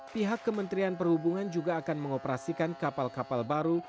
pihak kementerian perhubungan juga akan mengoperasikan kapal kapal baru